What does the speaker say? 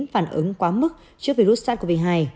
phản ứng quá mức trước virus sars cov hai